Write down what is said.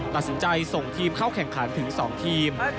ตัดสินใจส่งทีมเข้าแข่งขันถึง๒ทีม